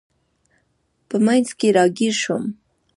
په منځ کې راګیر شوم.